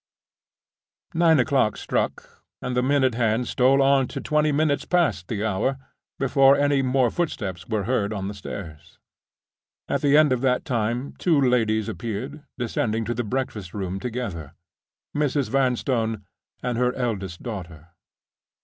Nine o'clock struck; and the minute hand stole on to twenty minutes past the hour, before any more footsteps were heard on the stairs. At the end of that time, two ladies appeared, descending to the breakfast room together—Mrs. Vanstone and her eldest daughter.